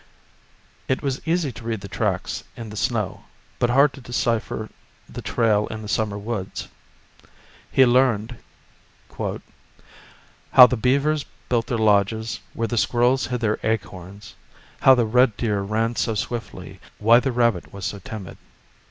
It was easy to read the tracks in the gnow, 13 The Story of Tecumseh but hard to decipher the trail in the summer woods. He learned " How the beavers built their lodges, Where the squirrels hid their acorns, How the red deer ran so swiftly, Why the rabbit was so timid."